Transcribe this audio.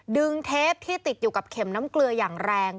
เทปที่ติดอยู่กับเข็มน้ำเกลืออย่างแรง